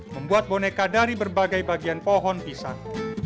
membuat boneka dari berbagai bagian pohon pisang